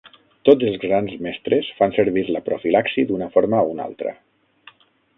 Tots els grans mestres fan servir la profilaxi d'una forma o una altra.